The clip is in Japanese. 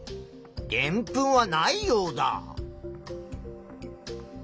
でんぷんはないヨウダ。